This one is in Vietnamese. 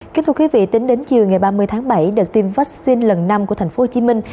kính thưa quý vị tính đến chiều ngày ba mươi tháng bảy đợt tiêm vaccine lần năm của thành phố hồ chí minh